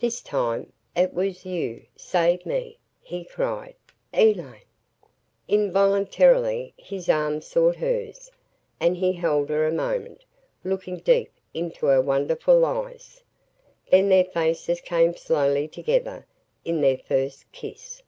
"This time it was you saved me!" he cried, "Elaine!" Involuntarily his arms sought hers and he held her a moment, looking deep into her wonderful eyes. Then their faces came slowly together in their first kiss.